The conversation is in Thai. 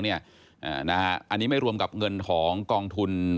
อันนี้ไม่รวมกับเงินของกองทุน